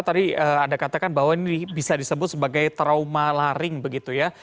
tadi anda katakan bahwa ini bisa disebut sebagai trauma laring begitu ya